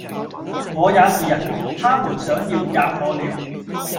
我也是人，他們想要喫我了！